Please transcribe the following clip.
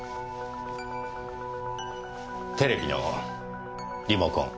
テレビのリモコン。